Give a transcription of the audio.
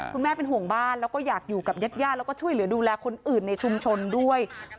แม่เป็นห่วงบ้านแล้วก็อยากอยู่กับญาติญาติแล้วก็ช่วยเหลือดูแลคนอื่นในชุมชนด้วย